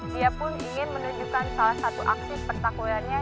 dia pun ingin menunjukkan salah satu aksi pertakwaannya